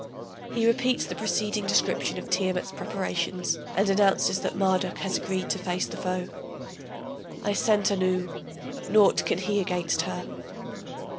[He repeats the preceding description of Tiamat's preparations, and announces that Marduk has agreed to face the foe.] I sent Anu, naught can he against her.